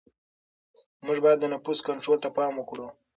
موږ باید د نفوس کنټرول ته پام وکړو.